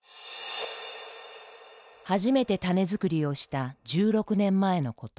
初めて種づくりをした１６年前のこと。